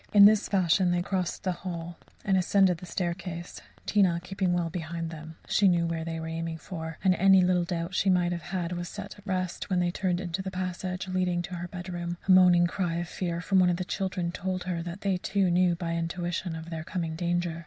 In this fashion they crossed the hall and ascended the staircase, Tina keeping well behind them. She knew where they were aiming for, and any little doubt that she might have had was set at rest, when they turned into the passage leading to her bedroom. A moaning cry of fear from one of the children told her that they, too, knew by intuition of their coming danger.